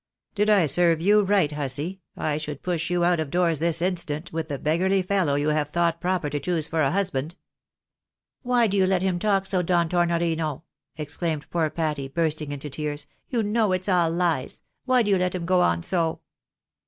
" Did I serve you right, hussy, I should push you out of 6 THE BARNABYS IN AMERICA. doors tUs instant, with the beggarly fellow you have thought pto per to choose for a husband." " Why do you let him talk so, Don Tornorino ?" exclaimed poor Patty, bursting into tears. 'Tou know it's all lies ! Why do you let him go on so?